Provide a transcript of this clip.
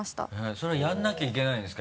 それはやらなきゃいけないんですか？